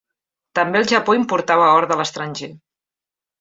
També el Japó importava or de l'estranger.